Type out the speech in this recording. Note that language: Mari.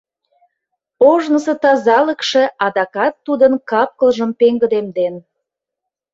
Ожнысо тазалыкше адакат тудын кап-кылжым пеҥгыдемден.